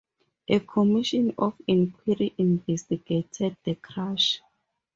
A Commission of Inquiry investigated the crash.